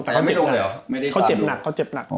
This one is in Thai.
แต่เขาเจ็บหนัก